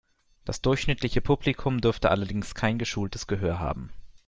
Das durchschnittliche Publikum dürfte allerdings kein geschultes Gehör haben.